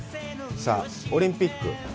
さあ、オリンピック。